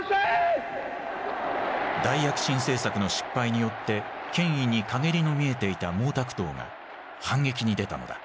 大躍進政策の失敗によって権威に陰りの見えていた毛沢東が反撃に出たのだ。